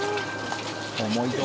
重いぞ。